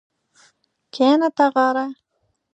کښېنه تاغاره